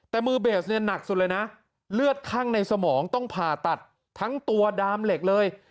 แต่มือเบสเนี่ยหนักสุดเลยนะเลือดคั่งในสมองต้องผ่าตัดทั้งตัวดามเหล็กเลย